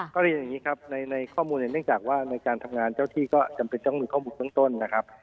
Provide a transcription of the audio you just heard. ก็เรียนอย่างนี้ครับในข้อมูลเนื่องจากว่าในการทำงานเจ้าที่ก็จำเป็นต้องมีข้อมูลเบื้องต้นนะครับ